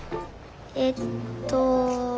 えっと。